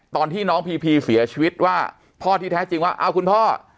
ตอนที่น้องพีพีเสียชีวิตว่าพ่อที่แท้จริงว่าอ้าวคุณพ่อ